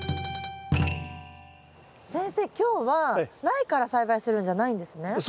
今日は苗から栽培するんじゃないんですね？